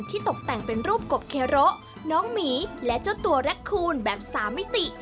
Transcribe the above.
ตกแต่งเป็นรูปกบเคโรน้องหมีและเจ้าตัวแร็คคูณแบบ๓มิติ